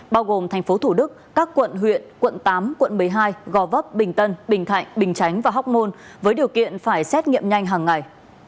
bao gồm tp thủ đức các quận huyện quận tám quận một mươi hai gò vấp bình tân bình thạnh bình chánh và hóc môn với điều kiện phải xét nghiệm nhanh hàng ngày